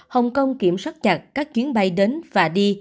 hồng kông kiểm soát chặt các chuyến bay đến và đi